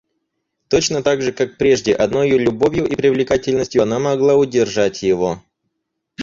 Точно так же как прежде, одною любовью и привлекательностью она могла удержать его.